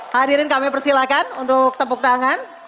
hadirin kami persilakan untuk tepuk tangan